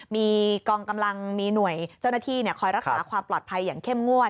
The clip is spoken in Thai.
มีกองกำลังมีหน่วยเจ้าหน้าที่คอยรักษาความปลอดภัยอย่างเข้มงวด